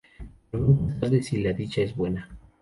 Pero nunca es tarde si la dicha es buena.